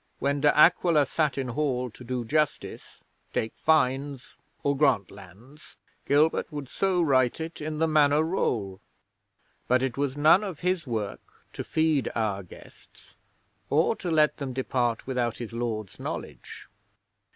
When De Aquila sat in Hall to do justice, take fines, or grant lands, Gilbert would so write it in the Manor roll. But it was none of his work to feed our guests, or to let them depart without his lord's knowledge.